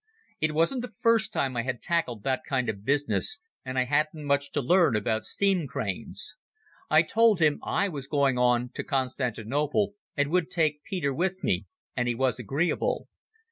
It wasn't the first time I had tackled that kind of business, and I hadn't much to learn about steam cranes. I told him I was going on to Constantinople and would take Peter with me, and he was agreeable.